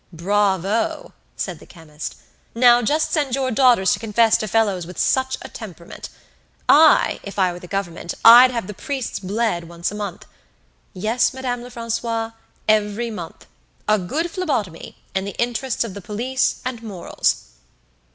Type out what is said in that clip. "Bravo!" said the chemist. "Now just send your daughters to confess to fellows which such a temperament! I, if I were the Government, I'd have the priests bled once a month. Yes, Madame Lefrancois, every month a good phlebotomy, in the interests of the police and morals."